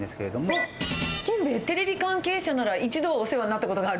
テレビ関係者なら一度はお世話になったことがある。